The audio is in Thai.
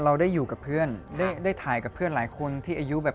แล้วก็แยกย้ายกันไม่ค่อยได้เจอ